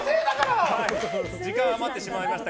時間が余ってしまいました。